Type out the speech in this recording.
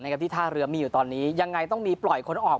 ที่ท่าเรือมีอยู่ตอนนี้ยังไงต้องมีปล่อยคนออก